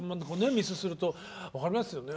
ミスすると分かりますよね？